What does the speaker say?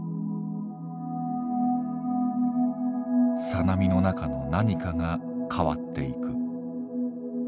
小波の中の何かが変わっていく。